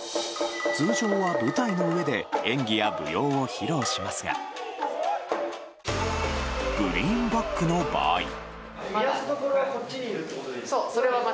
通常は舞台の上で演技や舞踊を披露しますがグリーンバックの場合。